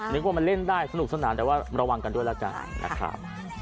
นึกว่ามันเล่นได้สนุกสนานแต่ว่าระวังกันด้วยแล้วกันนะครับ